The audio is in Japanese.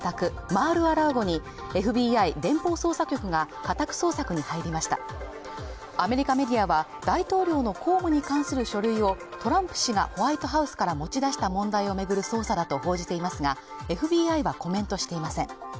マール・ア・ラーゴにＦＢＩ連邦捜査局が家宅捜索に入りましたアメリカメディアは大統領の公務に関する書類をトランプ氏がホワイトハウスから持ち出した問題を巡る捜査だと報じていますがＦＢＩはコメントしていません